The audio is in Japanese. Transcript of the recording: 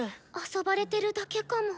遊ばれてるだけかも。